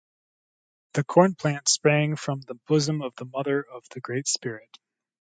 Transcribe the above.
The corn plant sprang from the bosom of the mother of the Great Spirit.